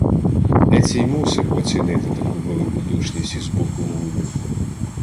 Ецій мусив оцінити таку великодушність із боку гунів.